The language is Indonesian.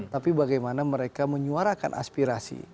tapi bagaimana mereka menyuarakan aspirasi